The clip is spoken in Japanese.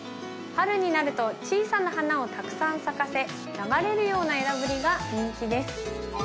春になると小さな花をたくさん咲かせ流れるような枝ぶりが人気です。